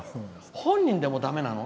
「本人でもだめなの？」。